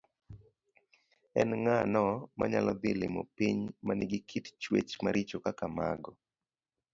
En ng'ano manyalo dhi limo piny ma nigi kit chwech maricho kaka mago?